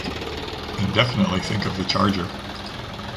And definitely think of the charger!